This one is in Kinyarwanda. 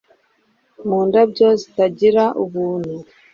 Mu ndabyo zitagira ubuntu